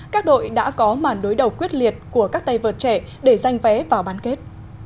các đội đã có màn đối đầu quyết liệt của các tay vợt trẻ để giành vé vào bán kết